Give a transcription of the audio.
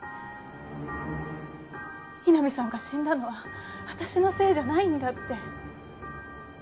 井波さんが死んだのは私のせいじゃないんだって。